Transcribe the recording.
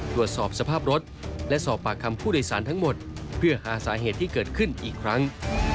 ตรวจสอบสภาพรถและสอบปากคำผู้โดยสารทั้งหมดเพื่อหาสาเหตุที่เกิดขึ้นอีกครั้ง